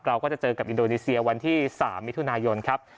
เราก็จะเจอกับอินโดนีเซียวันที่๓มิถุนายนครับ